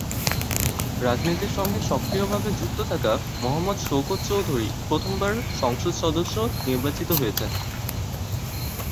রাজনীতির সঙ্গে সক্রিয় ভাবে যুক্ত থাকা মোহাম্মদ শওকত চৌধুরী প্রথমবার সংসদ সদস্য নির্বাচিত হয়েছেন।